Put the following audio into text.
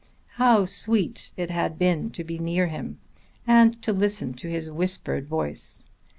How sweet it had been to be near him and to listen to his whispered voice!